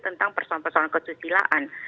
tentang persoalan persoalan kesusilaan